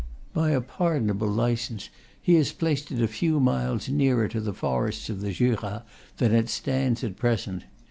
By a pardonable license he has placed it a few miles nearer to the forests of the Jura than it stands at present.